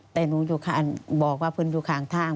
แต่หนูอยู่ข้างบอกว่าคุณอยู่ข้างทาง